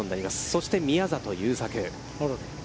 そして、宮里優作。